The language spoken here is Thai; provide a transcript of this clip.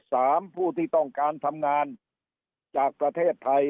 ผู้ที่ต้องการทำงานจากประเทศไทย